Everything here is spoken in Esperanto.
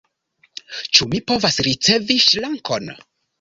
Ĉu mi povas ricevi ŝrankon?